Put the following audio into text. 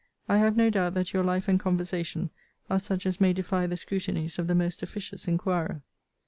I have no doubt that your life and conversation are such as may defy the scrutinies of the most officious inquirer.